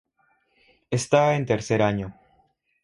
Está en tercer año.